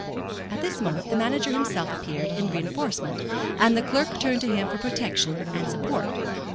At this moment the manager himself appeared in reinforcement, and the clerk turned to him for protection and support.